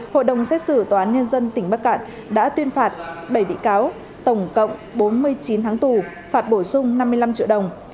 hội đồng xét xử tòa án nhân dân tỉnh bắc cạn đã tuyên phạt bảy bị cáo tổng cộng bốn mươi chín tháng tù phạt bổ sung năm mươi năm triệu đồng